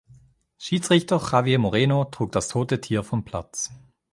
Schiedsrichter Javier Moreno trug das tote Tier vom Platz.